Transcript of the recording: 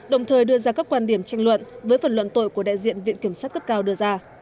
đồng thời đưa ra các quan điểm tranh luận với phần luận tội của đại diện viện kiểm sát cấp cao đưa ra